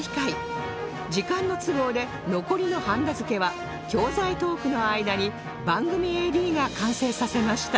時間の都合で残りのはんだ付けは教材トークの間に番組 ＡＤ が完成させました